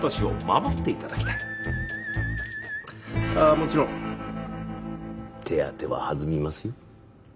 あっもちろん手当は弾みますよ。